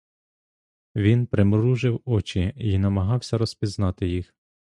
Він примружив очі й намагався розпізнати їх.